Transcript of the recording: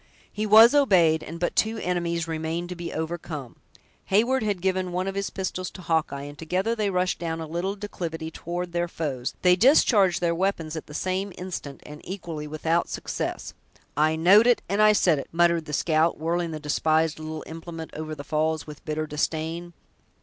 He was obeyed; and but two enemies remained to be overcome. Heyward had given one of his pistols to Hawkeye, and together they rushed down a little declivity toward their foes; they discharged their weapons at the same instant, and equally without success. "I know'd it! and I said it!" muttered the scout, whirling the despised little implement over the falls with bitter disdain.